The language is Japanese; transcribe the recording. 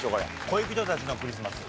『恋人たちのクリスマス』。